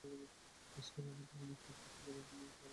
বিস্ফোরণে ভবনের ছাদ ধসে পড়েছে এবং জানালাগুলো ভেঙে চুরমার হয়ে গেছে।